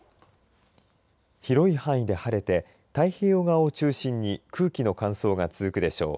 広い範囲で晴れて太平洋側を中心に空気の乾燥が続くでしょう。